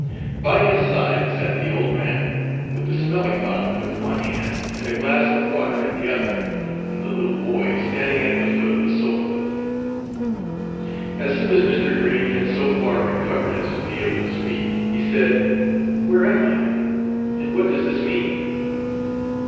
By his side sat the old man, with the smelling bottle in the one hand, and a glass of water in the other, and the little boy standing at the foot of the sofa. As soon as Mr. Green had so far recovered as to be able to speak, he said, "Where am I, and what does this mean?"